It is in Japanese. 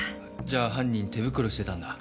じゃあ犯人手袋してたんだ。